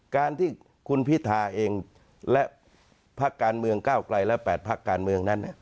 การที่คุณพิธาเองและพักการเมืองก้าวไกลและ๘พักการเมืองนั้น